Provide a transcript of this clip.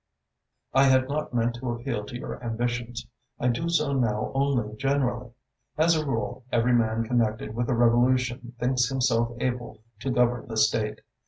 I had not meant to appeal to your ambitions. I do so now only generally. As a rule, every man connected with a revolution thinks himself able to govern the State.